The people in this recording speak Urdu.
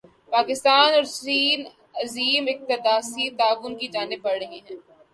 پاکستان اور چین عظیم اقتصادی تعاون کی جانب بڑھ رہے ہیں